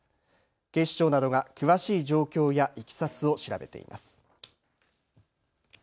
警視庁などが詳しい状況やいきさつを調べています。